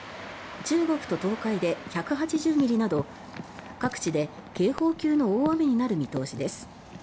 中国と東海で１８０ミリなど各地で警報級の大雨になる見通しです。